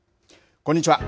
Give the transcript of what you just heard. こんにちは。